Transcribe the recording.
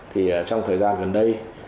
thì trong thời gian gần đây